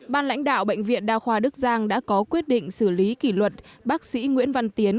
ban lãnh đạo bệnh viện đa khoa đức giang đã có quyết định xử lý kỷ luật bác sĩ nguyễn văn tiến